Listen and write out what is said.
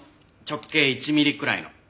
直径１ミリくらいの。